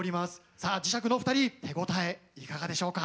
さあ磁石のお二人手応えいかがでしょうか？